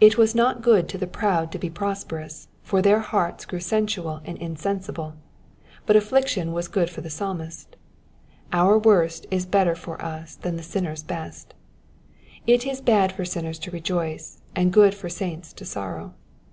It was not good to the jproud to be prosperous, for their hearts grew sensual and insensible ; but amiction was good for the Psalmist. Our worst is better for us than the sinner^s best. It is bad for sinners to rejoice, and ^ood for saints to sorrow.